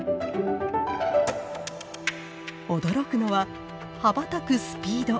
驚くのは羽ばたくスピード。